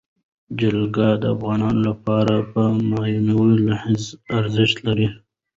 جلګه د افغانانو لپاره په معنوي لحاظ ارزښت لري.